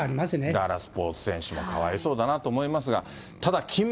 だからスポーツ選手もかわいそうだなと思いますが。